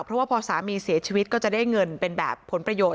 เพราะว่าพอสามีเสียชีวิตก็จะได้เงินเป็นแบบผลประโยชน